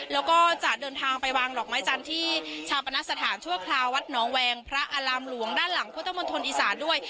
แล้วก็จะเดินทางไปวางดอกไม้จันทร์ที่ชาปนสถานชั่วคราววัดหนองแวงพระอารามหลวงด้านหลังพุทธมณฑลอีสานด้วย